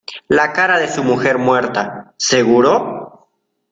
la cara de su mujer muerta. ¿ seguro?